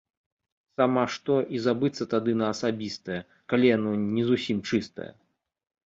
Сама што і забыцца тады на асабістае, калі яно не зусім чыстае!